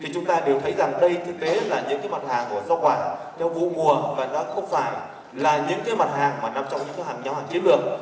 thì chúng ta đều thấy rằng đây thực tế là những mặt hàng của rau quả theo vụ mùa và nó không phải là những mặt hàng nằm trong những hàm nhóm hàng chiến lược